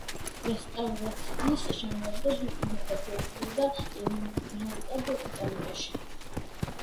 რესტავრაციის შემდეგ იმყოფებოდა ემიგრანტად იტალიაში.